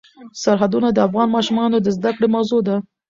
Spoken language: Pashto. سرحدونه د افغان ماشومانو د زده کړې موضوع ده.